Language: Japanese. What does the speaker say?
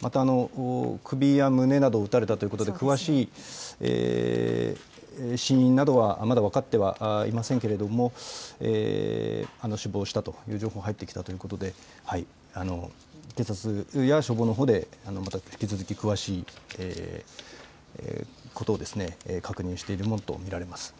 また、首や胸などを撃たれたということで、詳しい死因などはまだ分かってはいませんけれども、死亡したという情報、入ってきたということで、警察や消防のほうでまた引き続き、詳しいことを確認しているものと見られます。